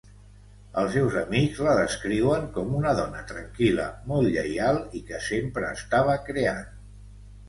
Els seus amics la descriuen com una dona tranquil·la molt lleial i que sempre estava creant.